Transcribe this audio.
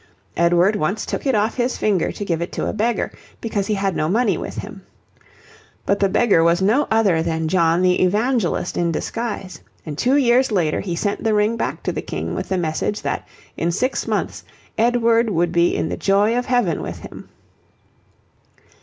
Edward once took it off his finger to give it to a beggar, because he had no money with him. But the beggar was no other than John the Evangelist in disguise, and two years later he sent the ring back to the King with the message that in six months Edward would be in the joy of heaven with him.